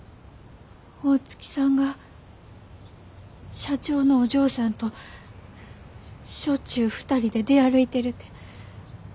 大月さんが社長のお嬢さんとしょっちゅう２人で出歩いてるて。